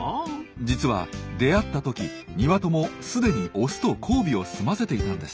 実は出会った時２羽ともすでにオスと交尾を済ませていたんです。